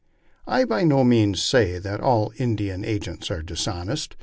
I by no means say that all In dian agents are dishonest.